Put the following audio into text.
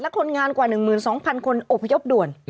คนงานกว่า๑๒๐๐คนอบพยพด่วน